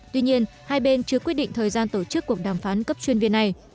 tuy nhiên hai bên chưa quyết định thời gian tổ chức cuộc đàm phán cấp chuyên viên này